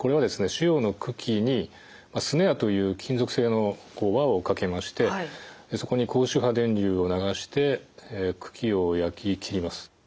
腫瘍の茎にスネアという金属製の輪をかけましてそこに高周波電流を流して茎を焼き切ります。